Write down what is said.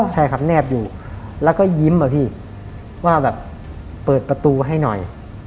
ใช่ครับแนบอยู่แล้วก็ยิ้มอะพี่ว่าแบบเปิดประตูให้หน่อย